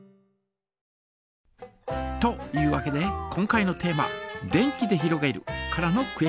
というわけで今回のテーマ「電気でひろげる」からのクエスチョン！